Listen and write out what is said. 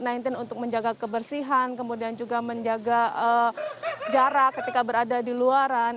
covid sembilan belas untuk menjaga kebersihan kemudian juga menjaga jarak ketika berada di luaran